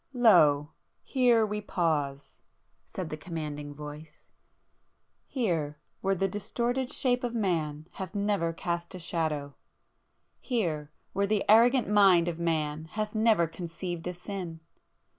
"Lo, here we pause!" said the commanding Voice—"Here, where the distorted shape of Man hath never cast a shadow!—here,—where the arrogant mind of Man hath never conceived a sin!